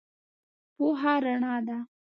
پوهه رنا ده.